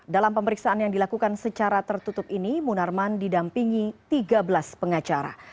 dalam pemeriksaan yang dilakukan secara tertutup ini munarman didampingi tiga belas pengacara